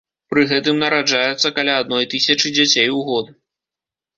Пры гэтым нараджаецца каля адной тысячы дзяцей у год.